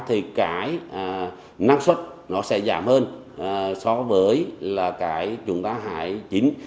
thì cái năng suất nó sẽ giảm hơn so với cái chúng ta hái chín